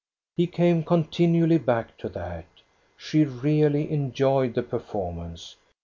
He came continually back to that. She really enjoyed the performance.